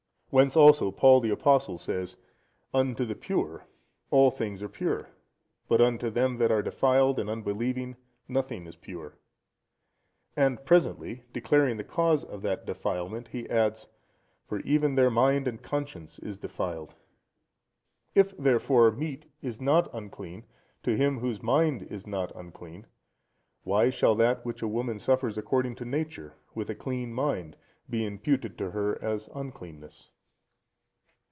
Whence also Paul the Apostle says, "Unto the pure all things are pure, but unto them that are defiled and unbelieving, nothing is pure." And presently, declaring the cause of that defilement, he adds, "For even their mind and conscience is defiled." If, therefore, meat is not unclean to him whose mind is not unclean, why shall that which a woman suffers according to nature, with a clean mind, be imputed to her as uncleanness?